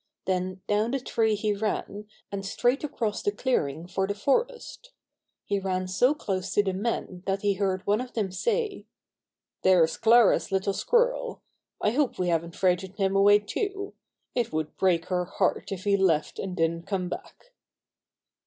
Then down the tree he ran, and straight across the clearing for the forest. He ran so close to the men that he heard one of them say: "There's Clara's little squirrel. I hope we haven't frightened him away too. It would break her heart if he left and didn't come back."